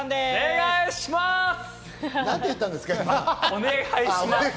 お願いします。